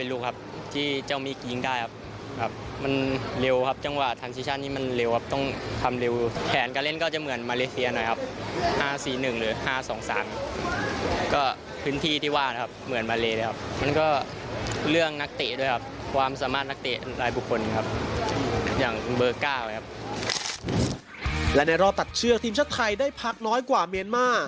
และในรอบตัดเชือกทีมชาติไทยได้พักน้อยกว่าเมียนมา